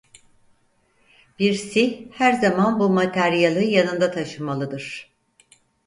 Bir Sih her zaman bu materyali yanında taşımalıdır.